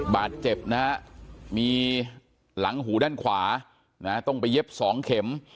บาดเจ็บนะฮะมีหลังหูด้านขวาต้องไปเย็บ๒เข็ม